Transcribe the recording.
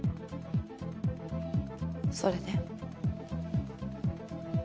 それで？